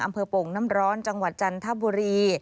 โป่งน้ำร้อนจังหวัดจันทบุรี